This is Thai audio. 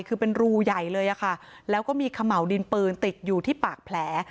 คือเป็นรูใหญ่เลยอะค่ะแล้วก็มีเขม่าวดินปืนติดอยู่ที่ปากแผล